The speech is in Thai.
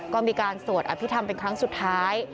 ก็มีการสวดอภิษฐรรมเป็นครั้งสุดท้าย